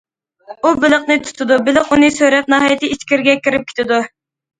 ئۇ بېلىقنى تۇتىدۇ، بېلىق ئۇنى سۆرەپ ناھايىتى ئىچكىرىگە كىرىپ كېتىدۇ.